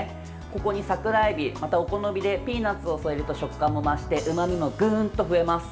ここに桜えびまたお好みでピーナツを添えると食感も増してうまみもぐんと増えます。